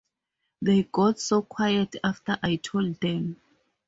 They got so quiet after I told them.